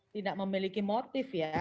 tidak memiliki motif ya